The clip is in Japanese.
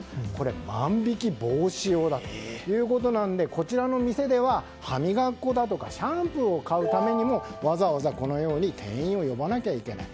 万引き防止用だということでこちらの店では、歯磨き粉だとかシャンプーを買うためにもわざわざこのように店員を呼ばなければいけない